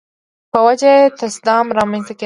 په وجه یې تصادم رامنځته کېدای شي.